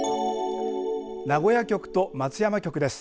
名古屋局と松山局です。